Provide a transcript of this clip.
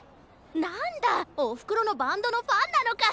なんだおふくろのバンドのファンなのか。